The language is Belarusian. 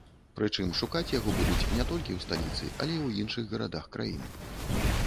Прычым шукаць яго будуць не толькі ў сталіцы, але і ў іншых гарадах краіны.